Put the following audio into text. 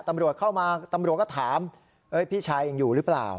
ตำรวจเข้ามาตำรวจก็ถามพี่ชายยังอยู่หรือเปล่า